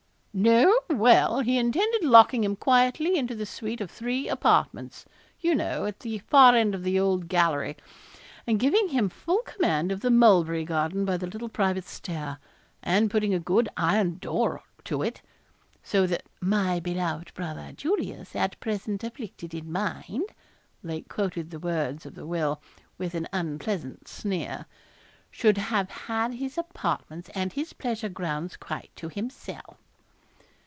'No? well, he intended locking him quietly into the suite of three apartments, you know, at the far end of the old gallery, and giving him full command of the mulberry garden by the little private stair, and putting a good iron door to it; so that "my beloved brother, Julius, at present afflicted in mind" (Lake quoted the words of the will, with an unpleasant sneer), should have had his apartments and his pleasure grounds quite to himself.'